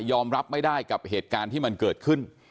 รับไม่ได้กับเหตุการณ์ที่มันเกิดขึ้น